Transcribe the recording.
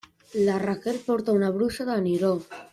La Raquel porta una brusa de niló.